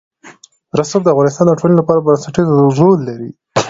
رسوب د افغانستان د ټولنې لپاره بنسټيز رول لري.